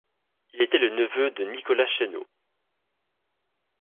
Il était le neveu de Nicolas Chesneau.